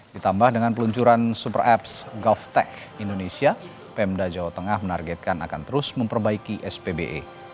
ditambah dengan peluncuran super apps golftech indonesia pemda jawa tengah menargetkan akan terus memperbaiki spbe